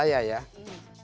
itu juga saya ya